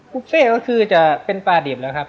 บุฟเฟ่ก็คือจะเป็นปลาดิบแล้วครับ